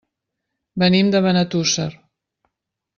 Venim de Benetússer.